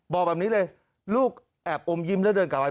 บอกแบบนี้เลยลูกแอบอมยิ้มแล้วเดินกลับมา